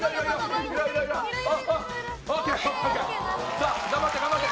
さあ頑張って頑張って！